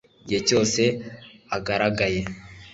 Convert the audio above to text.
igihe cyose agaragaye